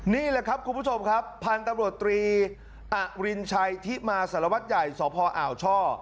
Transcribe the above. นี่แหละครับคุณผู้ชมครับพันธุ์ตำรวจตรีอรินชัยทิมาสารวัตรใหญ่สพอ่าวช่อ